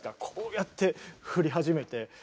こうやって振り始めて。